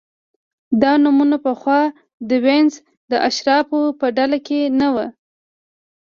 دا نومونه پخوا د وینز د اشرافو په ډله کې نه وو